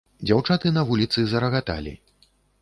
Дзяўчаты на вуліцы зарагаталі.